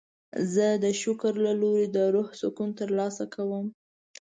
زه د شکر له لارې د روح سکون ترلاسه کوم.